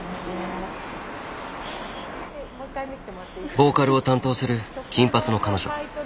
ボーカルを担当する金髪の彼女。